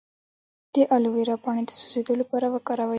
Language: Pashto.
د الوویرا پاڼې د سوځیدو لپاره وکاروئ